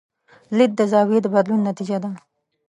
لید د زاویې د بدلون نتیجه ده.